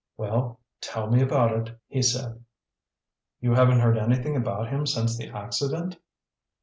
"Well, tell me about it," he said. "You haven't heard anything about him since the accident?"